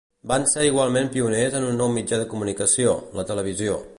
Van ser igualment pioners en un nou mitjà de comunicació: la televisió.